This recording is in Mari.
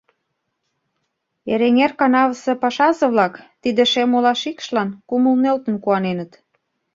Эреҥер канавысе пашазе-влак тиде шем-ола шикшлан кумыл нӧлтын куаненыт.